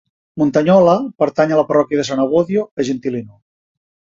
Montagnola pertany a la parròquia de S. Abbondio a Gentilino.